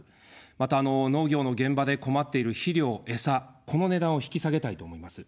また、農業の現場で困っている肥料・餌、この値段を引き下げたいと思います。